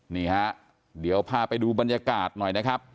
นี่ฮะเดี๋ยวพาไปดูบรรยากาศหน่อยนะครับ